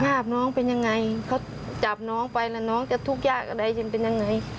ภาพน้องเป็นยังไงเขาจับน้องไปแล้วน้องจะทุกข์ยากอะไรจะเป็นยังไง